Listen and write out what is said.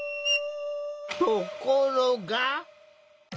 ところが。